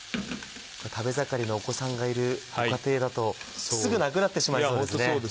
食べ盛りのお子さんがいるご家庭だとすぐなくなってしまいそうですね。